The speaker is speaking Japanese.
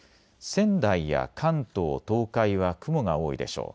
仙台や関東、東海は雲が多いでしょう。